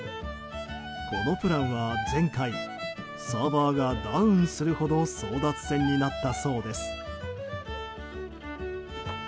このプランは前回サーバーがダウンするほど争奪戦になったそうです。